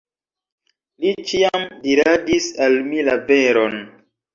Li ĉiam diradis al mi la veron.